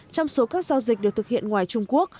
trong số các giao dịch được thực hiện ngoài trung quốc